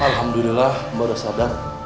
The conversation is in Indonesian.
alhamdulillah mbak udah sadar